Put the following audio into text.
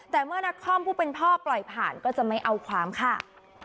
แต่เมื่อนักคอมผู้เป็นพ่อปล่อยผ่านก็จะไม่เอาความค่ะ